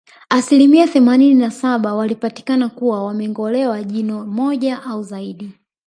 Asilimia themanini na saba walipatikana kuwa wamengolewa jino moja au zaidi